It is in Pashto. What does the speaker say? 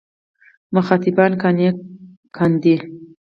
مخاطبان قانع کاندي.